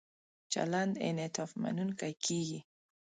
چلند انعطاف مننونکی کیږي.